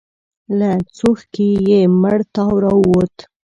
له څوښکي يې مړ تاو راووت.